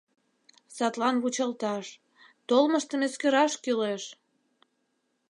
Садлан вучалташ, толмыштым эскераш кӱлеш!